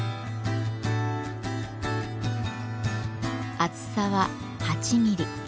厚さは８ミリ。